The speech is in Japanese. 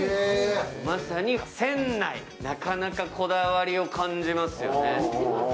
まさに船内、なかなかこだわりを感じますよね。